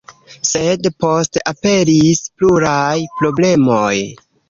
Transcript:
Sed poste aperis pluraj problemoj.